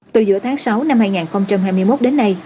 từ giữa tháng sáu năm hai nghìn hai mươi một đến nay